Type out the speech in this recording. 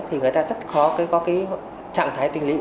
thì người ta rất khó có cái trạng thái tình lý